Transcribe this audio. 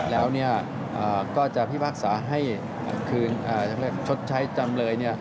แล้วก็จะพิพากษาให้คืนชดใช้จำเลย